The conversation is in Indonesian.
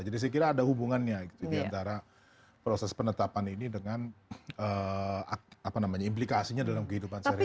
jadi saya kira ada hubungannya gitu diantara proses penetapan ini dengan implikasinya dalam kehidupan sehari hari